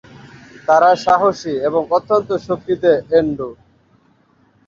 তারা সাহসী এবং অত্যন্ত শক্তিতে এন্ডু।